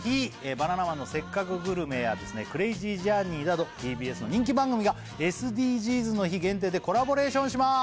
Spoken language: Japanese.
「バナナマンのせっかくグルメ！！」や「クレイジージャーニー」などＴＢＳの人気番組が「ＳＤＧｓの日」限定でコラボレーションします